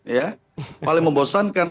ya paling membosankan